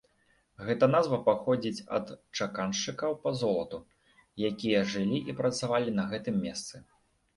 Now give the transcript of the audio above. Гэта назва паходзіць ад чаканшчыкаў па золату, якія жылі і працавалі на гэтым месцы.